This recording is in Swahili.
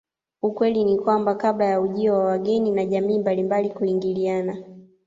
Ukweli ni kwamba kabla ya ujio wa wageni na jamii mbalilnmbali kuingiliana